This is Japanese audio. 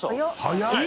早い！